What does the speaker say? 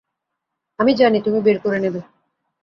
আমি জানি তুমি বের করে নেবে।